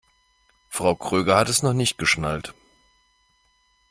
Frau Kröger hat es noch nicht geschnallt.